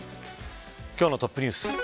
今日のトップニュース。